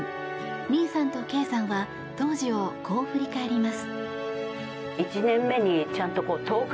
ミイさんとケイさんは当時をこう振り返ります。